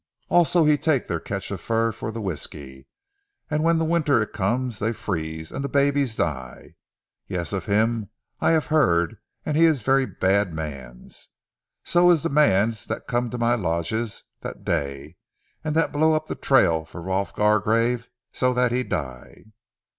Also he take their catch of fur for ze whiskey, an' when ze winter it come, dey freeze, an' ze babes die. Yes, of him, I have heard, an' he is very bad mans. So he is ze mans dat come to my lodges dat day, an' dat blow up ze trail for Rolf Gargrave so dat he die."